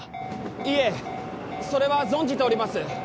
いえそれは存じております